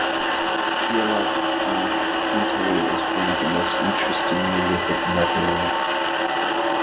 Geologically, Twente is one of the most interesting areas of the Netherlands.